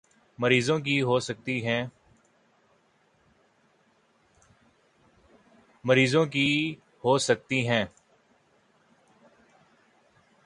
مریضوں کی ہو سکتی ہیں